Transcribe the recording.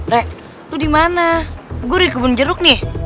re lo dimana gue udah di kebun jeruk nih